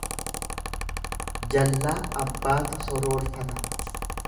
Jallaa abbaatu soroorfata.